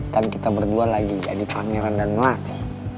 kan kita berdua lagi jadi pangeran dan melatih